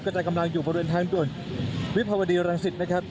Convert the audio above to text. จะกำลังอยู่บริเวณทางด่วนวิภาวดีรังสิตนะครับ